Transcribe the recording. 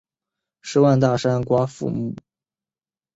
十万大山瓜馥木